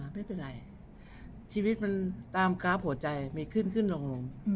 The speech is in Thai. ไม่เป็นไรชีวิตมันตามกราฟหัวใจมีขึ้นขึ้นลง